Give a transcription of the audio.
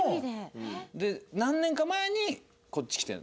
で何年か前にこっち来て。